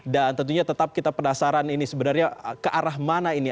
dan tentunya tetap kita penasaran ini sebenarnya ke arah mana ini